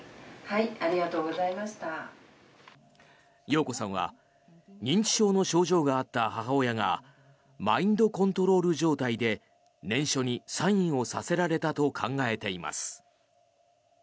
容子さんは認知症の症状があった母親がマインドコントロール状態で念書にサインをさせられたと考えています。